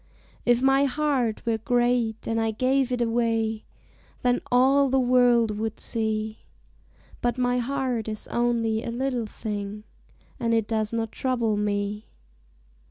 If my heart were great and I gave it away Then all the world would see. But my heart is only a little thing And it does not trouble me.